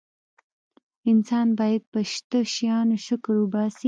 انسان باید په شته شیانو شکر وباسي.